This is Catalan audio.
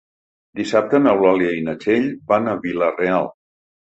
Dissabte n'Eulàlia i na Txell van a Vila-real.